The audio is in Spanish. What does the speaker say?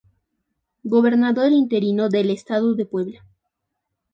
Gobernador Interino del Estado de Puebla.